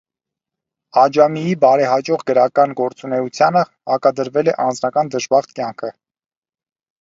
Աջամիի բարեհաջող գրական գործունեությանը հակադրվել է անձնական դժբախտ կյանքը։